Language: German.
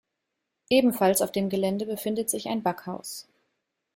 Ebenfalls auf dem Gelände befindet sich ein Backhaus.